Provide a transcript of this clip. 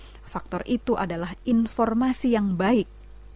apa faktor itu adalah informasi yang baik